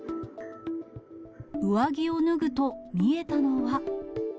上着を脱ぐと、見えたのは。